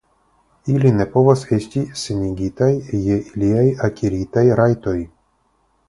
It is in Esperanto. Ili ne povas esti senigataj je iliaj akiritaj rajtoj.